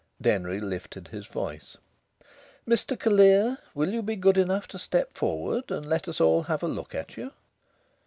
Denry lifted his voice. "Mr Callear, will you be good enough to step forward and let us all have a look at you?"